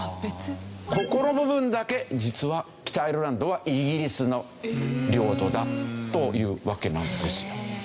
ここの部分だけ実は北アイルランドはイギリスの領土だというわけなんですよ。